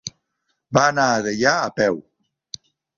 Va anar a Deià a peu.